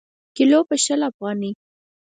کیلـو په شل افغانۍ.